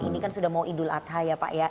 ini kan sudah mau idul adha ya pak ya